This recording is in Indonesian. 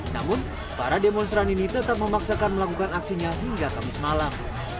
namun para demonstran ini tetap memaksakan melakukan aksinya hingga kamis malam